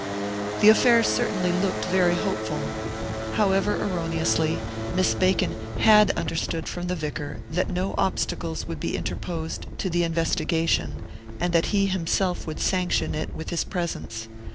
The affair certainly looked very hopeful. However erroneously, Miss Bacon had understood from the vicar that no obstacles would be interposed to the investigation, and that he himself would sanction it with his presence.